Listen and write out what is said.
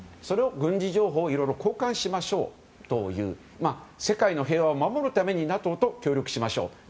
その軍事情報をいろいろ交換しましょうという世界の平和を守るためにＮＡＴＯと協力しましょう。